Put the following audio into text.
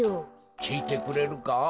きいてくれるか？